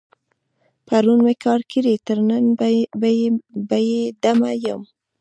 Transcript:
پرون مې کار کړی، تر ننه بې دمه یم.